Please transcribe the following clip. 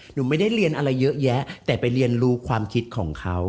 หนูไม่ได้เรียนอะไรเยอะแยะแต่ไปเรียนรู้ความคิดของเขา